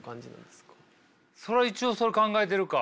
そら一応それ考えてるか。